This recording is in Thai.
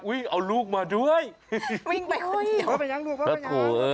พอไปยังลูกพอไปยัง